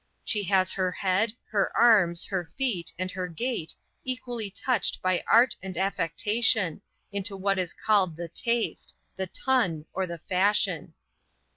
She has her head, her arms, her feet, and her gait, equally touched by art and affectation, into what is called the taste, the ton, or the fashion.